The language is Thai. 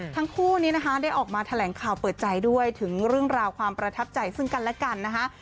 ทั้งคู่นี้นะคะได้ออกมาแถลงข่าวเปิดใจด้วยถึงเรื่องราวความประทับใจซึ่งกันและกันนะคะ